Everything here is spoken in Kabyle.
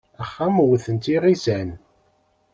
Axxam wwten-t yiγisan.